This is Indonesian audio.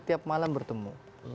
tiap malam bertemu